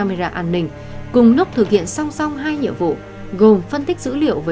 mà các trinh sát của chuyên án một trăm hai mươi một t đã phải trải qua